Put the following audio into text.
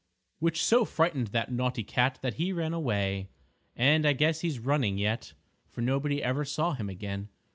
which so frightened that naughty cat that he ran away, and I guess he's running yet, for nobody ever saw him again.